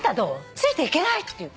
ついていけない？」って言うの。